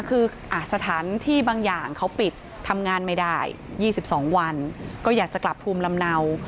คือสถานที่บางอย่างเขาปิดทำงานไม่ได้๒๒วันก็อยากจะกลับภูมิลำเนา